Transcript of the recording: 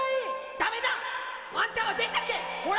ダメだ！あんたは出てけほら！